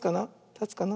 たつかな。